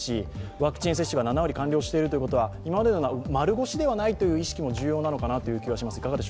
ワクチン接種が７割終わっていることをみますと今までのような丸腰ではないという意識は重要な気がします。